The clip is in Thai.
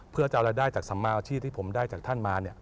เพื่อจะเอารายได้จากสัมมาอาชีพที่ผมได้จากท่านมา